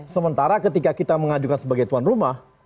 sementara ketika kita mengajukan sebagai tuan rumah